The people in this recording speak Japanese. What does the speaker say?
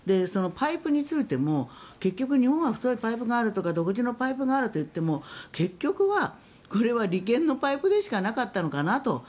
パイプについても結局、日本は太いパイプがあるとか独自のパイプがあるといっても結局はこれは利権のパイプでしかなかったのかなと。